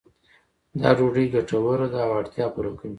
دا ډوډۍ ګټوره ده او اړتیا پوره کوي.